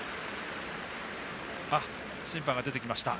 審判が出てきました。